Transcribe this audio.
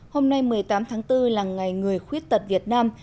hôm nay một mươi tám tháng bốn là ngày người khuyết tật việt nam